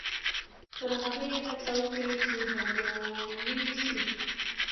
تر هغې هڅه وکړئ چې بریالي شئ.